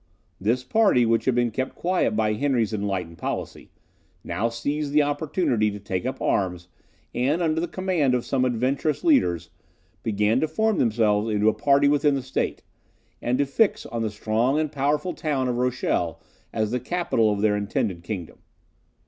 This party, which had been kept quiet by Henry's enlightened policy, now seized the opportunity to take up arms, and, under the command of some adventurous leaders, began to form themselves into a party within the state, and to fix on the strong and powerful town of Rochelle as the capital of their intended kingdom.